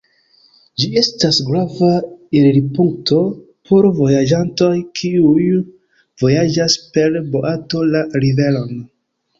Ĝi estas grava elirpunkto por vojaĝantoj, kiuj vojaĝas per boato la riveron.